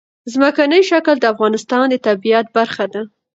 ځمکنی شکل د افغانستان د طبیعت برخه ده.